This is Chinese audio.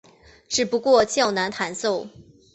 只不过较难弹奏。